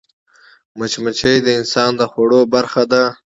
مچمچۍ د انسان د خوړو برخه ده